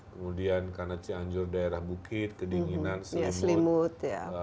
kemudian karena cianjur daerah bukit kedinginan selimut